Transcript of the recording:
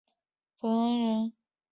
冯恩人。